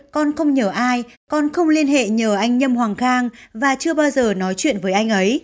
con không nhớ ai con không liên hệ nhờ anh nhâm hoàng khang và chưa bao giờ nói chuyện với anh ấy